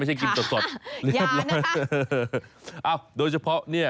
ไม่ใช่กินตัวสดเรียบร้อยโดยเฉพาะเนี่ย